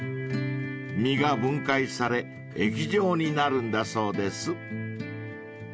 ［身が分解され液状になるんだそうです］